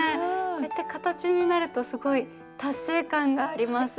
こうやって形になるとすごい達成感があります。